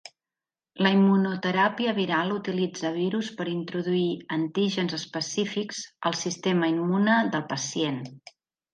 La immunoteràpia viral utilitza virus per introduir antígens específics al sistema immune del pacient.